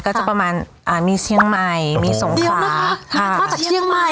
ก็จะประมาณอ่ามีเชียงใหม่มีสงขลานะคะมาจากเชียงใหม่